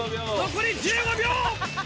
残り１５秒！